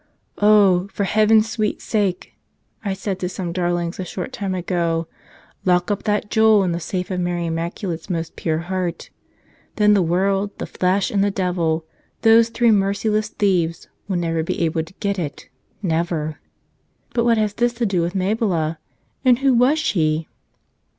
"Oh, for heaven's sweet sake," I said to some darlings a short time ago, "lock up that jewel in the safe of Mary Immaculate's most pure heart. Then the world, the flesh, and the devil, those three merciless thieves, will never be able to get it — never." But what has this to do with Mabila, and who was she?